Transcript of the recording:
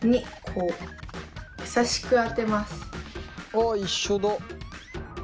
あっ一緒だ。